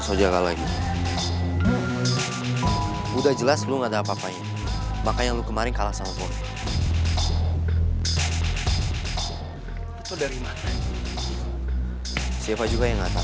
siapa juga yang gak tau